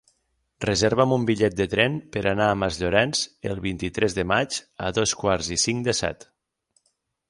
Reserva'm un bitllet de tren per anar a Masllorenç el vint-i-tres de maig a dos quarts i cinc de set.